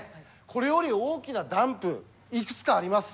これより大きなダンプいくつかあります。